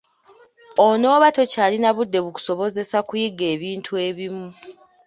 Onooba tokyalina budde bukusobozesa kuyiga ebintu ebimu.